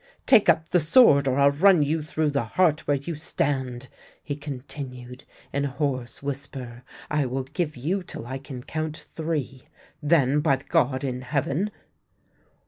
" Take up the sword, or I'll run you through the heart where you stand! " he continued, in a hoarse whisper. " I will give you till I can count three. Then, by the God in Heaven